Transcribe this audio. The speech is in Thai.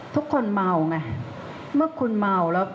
ทุกคนเมาไงเมื่อคุณเมาแล้ว